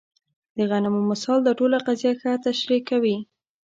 د غنمو مثال دا ټوله قضیه ښه تشریح کوي.